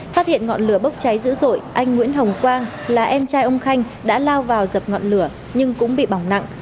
phát hiện ngọn lửa bốc cháy dữ dội anh nguyễn hồng quang là em trai ông khanh đã lao vào dập ngọn lửa nhưng cũng bị bỏng nặng